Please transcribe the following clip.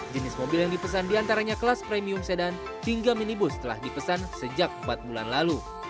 jenis mobil yang dipesan diantaranya kelas premium sedan hingga minibus telah dipesan sejak empat bulan lalu